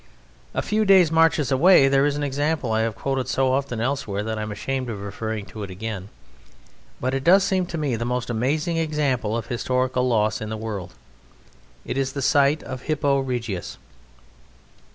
A few days' marches away there is an example I have quoted so often elsewhere that I am ashamed of referring to it again, but it does seem to me the most amazing example of historical loss in the world. It is the site of Hippo Regius.